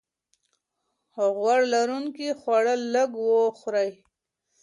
غوړ لرونکي خواړه لږ وخورئ.